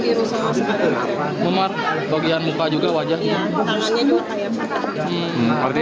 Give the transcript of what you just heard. iya tangannya juga kayak muka